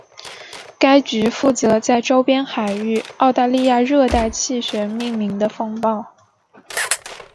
该局负责在周边海域澳大利亚热带气旋命名的风暴。